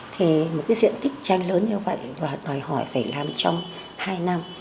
thì một cái diện tích tranh lớn như vậy và đòi hỏi phải làm trong hai năm